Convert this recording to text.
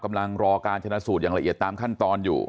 รอการชนะสูตรอย่างละเอียดตามขั้นตอนอยู่